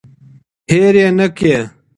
هیر یې نکړئ.